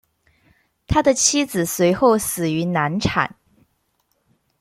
他的妻子随后死于难产。